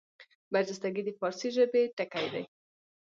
برجستګي د فاړسي ژبي ټکی دﺉ.